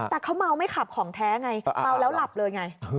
แต่เขาเมาไม่ขับของแท้ไงเมาแล้วหลับเลยไง